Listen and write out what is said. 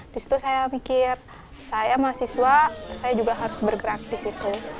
disitu saya mikir saya mahasiswa saya juga harus bergerak disitu